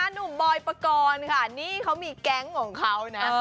หนุ่มบอยปกรณ์ค่ะนี่เขามีแก๊งของเขานะ